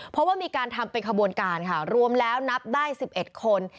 เพราะว่ามีการทำเป็นขบวนการค่ะรวมแล้วนับได้๑๑คน